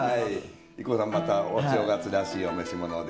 ＩＫＫＯさんまたお正月らしいお召し物で。